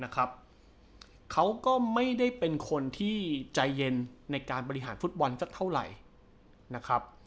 เขาก็ไม่๗๔๐๐คนใจเย็นในการประหลาดฟุตบอลซะเท่าไหร่